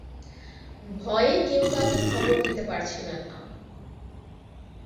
ভয়ে কেউ কাউকে খবর দিতে পারছিলেন না।